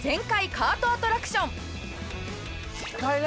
カートアトラクション